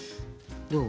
どう？